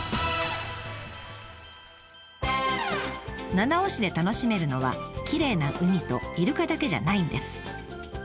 七尾市で楽しめるのはきれいな海とイルカだけじゃないんです。